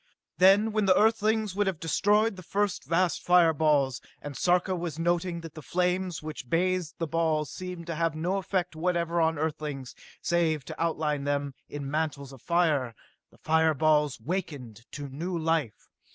Then, when the Earthlings would have destroyed the first of the vast fire balls and Sarka was noting that the flames which bathed the balls seemed to have no effect whatever on Earthlings, save to outline them in mantles of fire the fire balls wakened to new life.